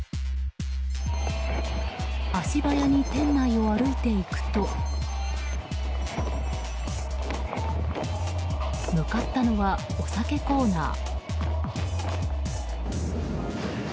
足早に店内を歩いていくと向かったのはお酒コーナー。